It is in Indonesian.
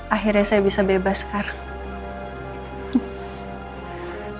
akhirnya saya bisa bebas sekarang